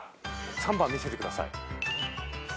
３番見せてください。